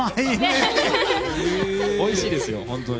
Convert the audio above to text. おいしいですよ、本当に。